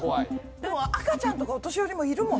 でも赤ちゃんとかお年寄りもいるもんね。